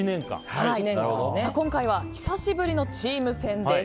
今回は久しぶりのチーム戦です。